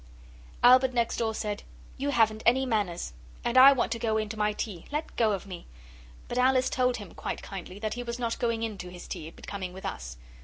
Albert next door said, 'You haven't any manners, and I want to go in to my tea. Let go of me!' But Alice told him, quite kindly, that he was not going in to his tea, but coming with us.